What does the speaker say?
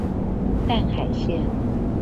淡海線